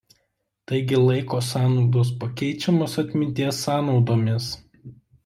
Taigi laiko sąnaudos pakeičiamos atminties sąnaudomis.